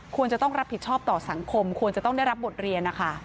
ควรจะต้องรับผิดชอบต่อสังคมควรจะต้องได้รับบทเรียนนะคะ